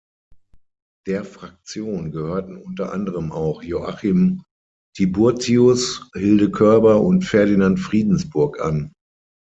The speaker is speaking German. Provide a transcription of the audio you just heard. Der Fraktion gehörten unter anderem auch Joachim Tiburtius, Hilde Körber und Ferdinand Friedensburg an.